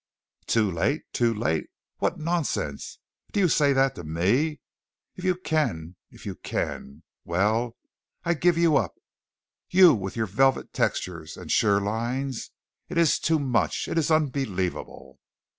"'Too late! Too late!' What nonsense! Do you say that to me? If you can! If you can! Well, I give you up! You with your velvet textures and sure lines. It is too much. It is unbelievable!"